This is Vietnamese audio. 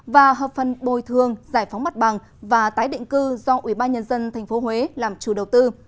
và hợp phần bồi thương giải phóng mặt bằng và tái định cư do ủy ban nhân dân tp huế làm chủ đầu tư